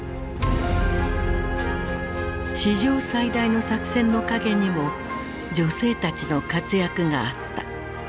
史上最大の作戦の陰にも女性たちの活躍があった。